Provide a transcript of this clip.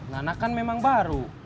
nana kan memang baru